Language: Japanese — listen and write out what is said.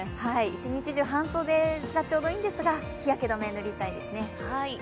一日中、半袖がちょうどいいんですが、日焼け止め、塗りたいですね。